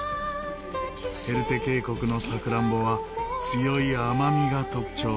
ヘルテ渓谷のさくらんぼは強い甘みが特徴。